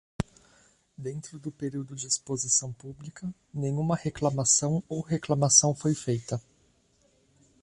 Dentro do período de exposição pública, nenhuma reclamação ou reclamação foi feita.